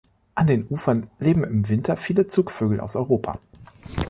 An den Ufern leben im Winter viele Zugvögel aus Europa.